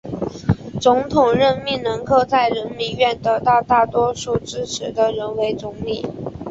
总统任命能够在人民院得到大多数支持的人为总理。